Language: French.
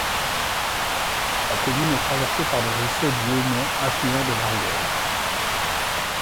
La commune est traversée par le Ruisseau du Haumont affluent de l'Ariège.